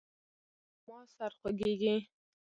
زما سر خوږیږي